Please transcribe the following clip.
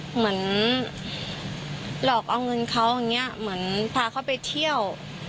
เหมือนหลอกเอาเงินเขาอย่างนี้เหมือนพาเขาไปเที่ยว